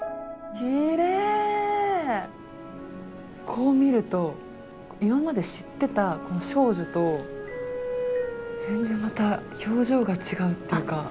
こう見ると今まで知ってた少女と全然また表情が違うっていうか。